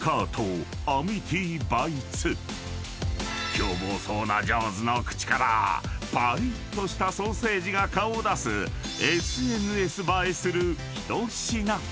［狂暴そうなＪＡＷＳの口からパリッとしたソーセージが顔を出すＳＮＳ映えする一品］